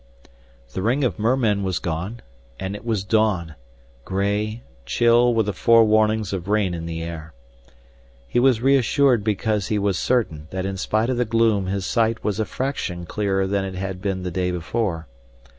The ring of mermen was gone, and it was dawn, gray, chill with the forewarnings of rain in the air. He was reassured because he was certain that in spite of the gloom his sight was a fraction clearer than it had been the day before.